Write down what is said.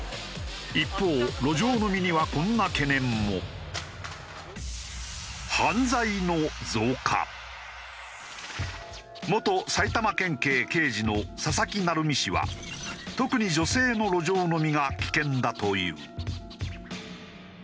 一方路上飲みには元埼玉県警刑事の佐々木成三氏は特に女性の路上飲みが危険だという。